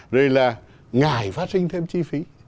rồi là ngại phát sinh thêm chi phí